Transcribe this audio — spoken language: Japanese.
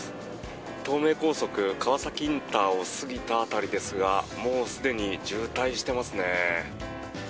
東名高速川崎ＩＣを過ぎた辺りですがもうすでに渋滞してますね。